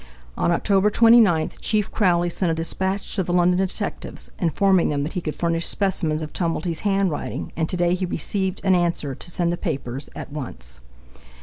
On Oct. 29 Chief Crowley sent a dispatch to the London detectives, informing them that he could furnish specimens of Tumblety's handwriting, and to day he recieved an answer to send the papers at once.